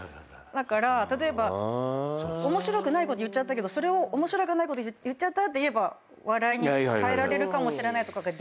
例えば面白くないこと言っちゃったけどそれを「面白くないこと言っちゃった」って言えば笑いに変えられるかもしれないとかができないから。